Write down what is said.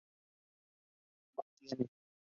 No tiene.